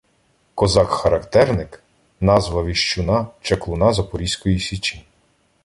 Козак-характерник — назва віщуна, чаклуна на Запорозькій Січі.